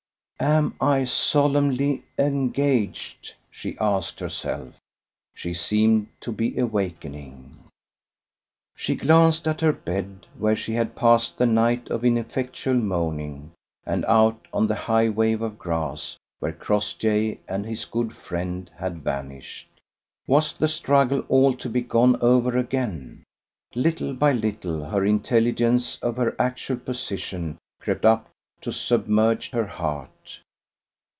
"Am I solemnly engaged?" she asked herself. She seemed to be awakening. She glanced at her bed, where she had passed the night of ineffectual moaning, and out on the high wave of grass, where Crossjay and his good friend had vanished. Was the struggle all to be gone over again? Little by little her intelligence of her actual position crept up to submerge her heart.